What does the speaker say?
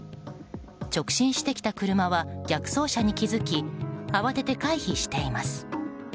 直進してきた車は逆走車に気付き慌てて回避しています。